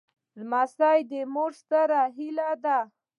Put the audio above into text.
لمسی د مور ستره هيله ده.